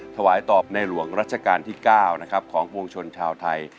ถวายต่อในหลวงรัชการที่๙ของภวงชนชาวไทย